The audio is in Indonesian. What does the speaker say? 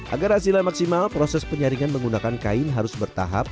agar hasilnya maksimal proses penyaringan menggunakan kain harus bertahap